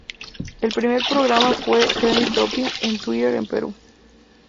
El primer programa fue trending topic en Twitter en Perú.